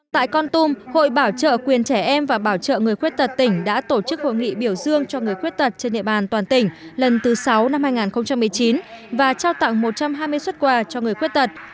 tại con tum hội bảo trợ quyền trẻ em và bảo trợ người khuyết tật tỉnh đã tổ chức hội nghị biểu dương cho người khuyết tật trên địa bàn toàn tỉnh lần thứ sáu năm hai nghìn một mươi chín và trao tặng một trăm hai mươi xuất quà cho người khuyết tật